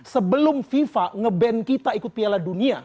sebelum fifa nge ban kita ikut piala dunia